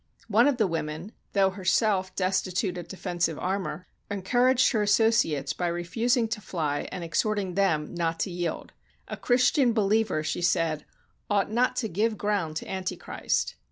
One of the women, though herself destitute of defensive armor, encouraged her associates by refusing to fly, and exhorting them not to yield. "A Christian believer," she said, "ought not to give ground to Antichrist."